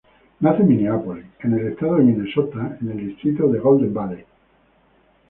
Nace en Mineápolis, en el estado de Minnesota, en el distrito de Golden Valley.